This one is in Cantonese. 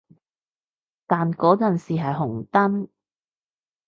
但嗰陣時係紅燈